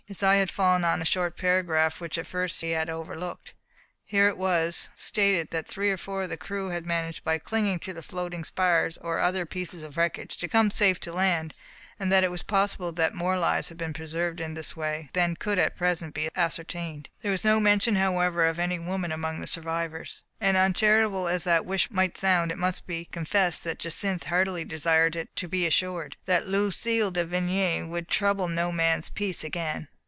His eye had fallen on a short paragraph, which at first he had overlooked. Here it was stated that three or four of the crew had managed, by clinging to floating spars or other pieces of wreckage, to come safe to land, and that it was possible that more lives had been preserved in this way, than could at present be ascertained. There was no mention, however, of any woman among the survivors: and, uncharitable as the wish might sound, it must be confessed that Jacynth heartily desired to be assured that Lu cille de Vigny would trouble no man's peace again.